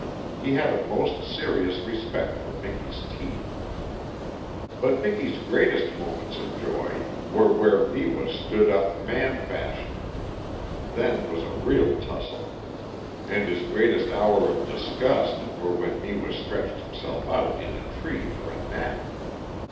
He had a most serious respect for Miki's teeth. But Miki's greatest moments of joy were where Neewa stood up man fashion. Then was a real tussle. And his greatest hours of disgust were when Neewa stretched himself out in a tree for a nap.